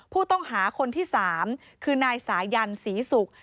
ผู้ต้องหาคนที่๓คือนายสายันศรีศุกร์